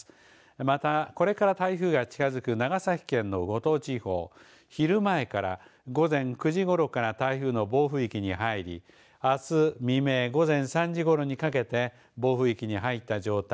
また、これから台風が近づく長崎県の五島地方昼前から午前９時ごろから台風の暴風域に入りあす未明、午前３時ごろにかけて暴風域に入った状態。